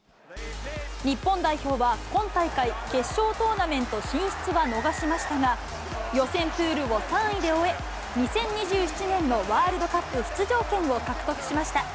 日本代表は、今大会、決勝トーナメント進出は逃しましたが、予選プールを３位で終え、２０２７年のワールドカップ出場権を獲得しました。